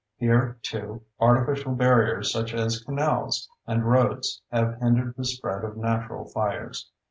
Here, too, artificial barriers such as canals and roads have hindered the spread of natural fires.